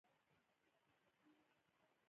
رسوب د افغانستان د ښاري پراختیا سبب کېږي.